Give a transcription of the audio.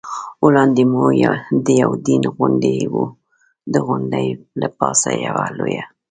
وړاندې مو د یوډین غونډۍ وه، د غونډۍ له پاسه یوه لویه.